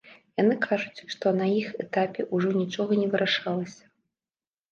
Яны кажуць, што на іх этапе ўжо нічога не вырашалася.